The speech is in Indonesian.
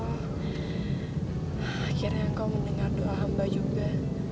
akhirnya kau mendengar doa hamba juga